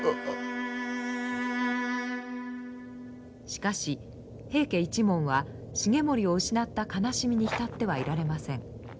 しかし平家一門は重盛を失った悲しみに浸ってはいられません。